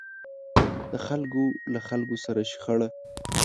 د خلکو له خلکو سره شخړه.